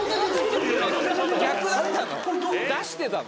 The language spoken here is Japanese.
逆だったの？